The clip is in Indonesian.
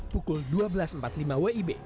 pukul dua belas empat puluh lima wib